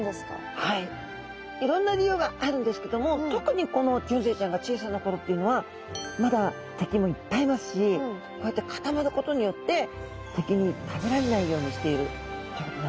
いろんな理由があるんですけども特にこのギョンズイちゃんが小さな頃っていうのはまだ敵もいっぱいいますしこうやって固まることによって敵に食べられないようにしているっていうことなんですね。